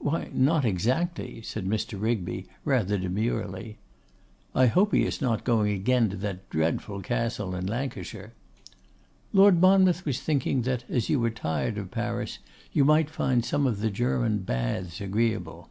'Why, not exactly,' said Mr. Rigby, rather demurely. 'I hope he is not going again to that dreadful castle in Lancashire.' 'Lord Monmouth was thinking that, as you were tired of Paris, you might find some of the German Baths agreeable.